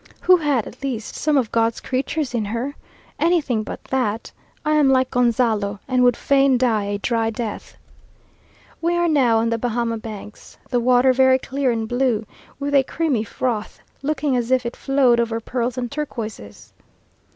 Who had, at least, some of God's creatures in her. Anything but that! I am like Gonzalo, and "would fain die a dry death." We are now on the Bahama Banks, the water very clear and blue, with a creamy froth, looking as if it flowed over pearls and turquoises.